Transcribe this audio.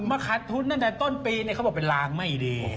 มาขัดทุนตั้งแต่ต้นปีเนี่ยเขาบอกเป็นรางไม่ดี